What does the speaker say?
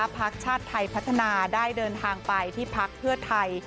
พักชาติไทยพัฒนาได้เดินทางไปที่พักเพื่อไทย